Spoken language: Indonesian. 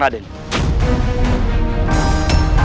di masyarakat tenggara deni